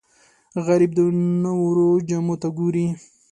غریب د نورو جامو ته ګوري